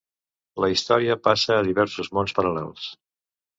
La història passa a diversos mons paral·lels.